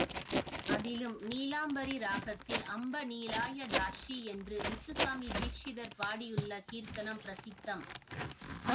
அதிலும் நீலாம்பரி ராகத்தில் அம்ப நீலாய தாக்ஷி என்று முத்துச்சாமி தீக்ஷிதர் பாடியுள்ள கீர்த்தனம் பிரசித்தம்.